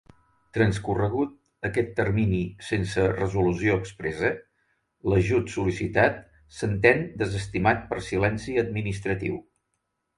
Transcorregut aquest termini sense resolució expressa, l'ajut sol·licitat s'entén desestimat per silenci administratiu.